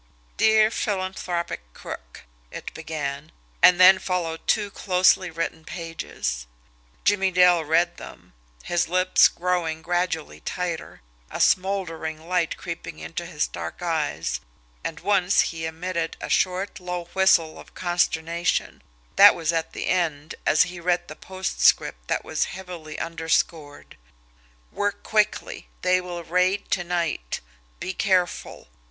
"Dear Philanthropic Crook," it began and then followed two closely written pages. Jimmie Dale read them, his lips growing gradually tighter, a smouldering light creeping into his dark eyes, and once he emitted a short, low whistle of consternation that was at the end, as he read the post script that was heavily underscored: "Work quickly. They will raid to night. Be careful.